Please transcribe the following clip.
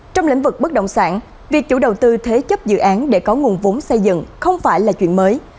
trong lĩnh vực bất động sản việc chủ đầu tư thế chấp dự án để có nguồn vốn xây dựng không phải là chuyện mới